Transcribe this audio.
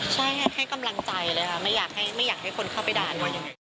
ใช่ให้กำลังใจเลยค่ะไม่อยากให้คนเข้าไปด่าเลย